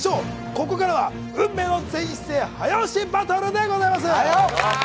ここからは運命の「全員一斉早押しバトル」でございます。